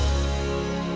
oh si abah itu